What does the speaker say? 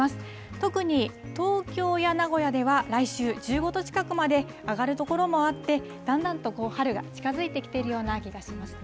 特に東京や名古屋では来週、１５度近くまで上がる所もあって、だんだんと春が近づいてきているような気がしますね。